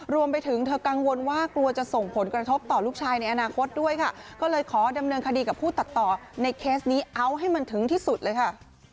รวมไปถึงเธอกังวลว่ากลัวจะส่งผลกระทบต่อลูกชายในอนาคตด้วยค่ะก็เลยขอดำเนินคดีกับผู้ตัดต่อในเคสนี้เอาให้มันถึงที่สุดเลยค่ะ